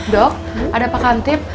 dok ada pak kantip